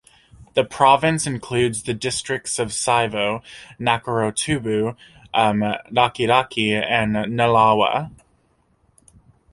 The province includes the districts of Saivou, Nakorotubu, Rakiraki, and Nalawa.